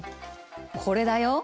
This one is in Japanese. これだよ。